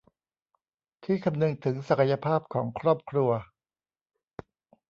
ที่คำนึงถึงศักยภาพของครอบครัว